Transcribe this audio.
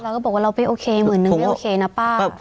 เราก็บอกว่าเราไม่โอเคหมื่นนึงไม่โอเคนะป้า